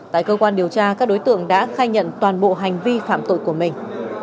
tại cơ quan điều tra các đối tượng đã khai nhận toàn bộ hành vi phạm tội của mình